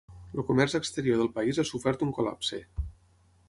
El comerç exterior del país ha sofert un col·lapse.